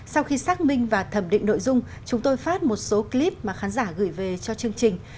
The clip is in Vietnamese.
sau khi xác minh và thẩm định nội dung chúng tôi phát một số clip mà khán giả gửi về cho chương trình